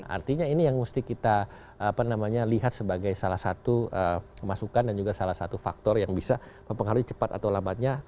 artinya ini yang mesti kita lihat sebagai salah satu masukan dan juga salah satu faktor yang bisa mempengaruhi cepat atau lambatnya